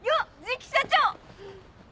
次期社長！